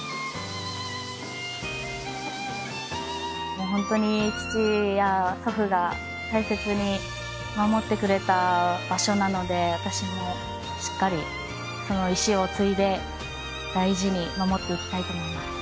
もう本当に父や祖父が大切に守ってくれた場所なので私もしっかりその遺志を継いで大事に守っていきたいと思います。